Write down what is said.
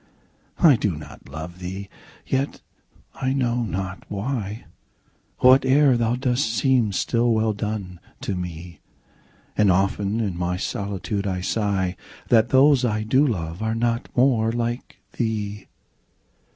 I do not love thee!—yet, I know not why, 5 Whate'er thou dost seems still well done, to me: And often in my solitude I sigh That those I do love are not more like thee!